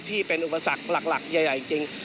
ที่เป็นอุปสรรคหลักใหญ่จริง